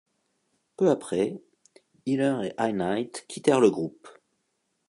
Peu après, Hiller et Einheit quittèrent le groupe.